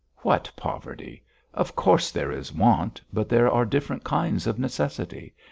"What poverty? Of course there is want, but there are different kinds of necessity.